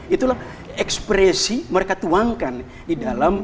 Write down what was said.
itulah ekspresi mereka tuangkan di dalam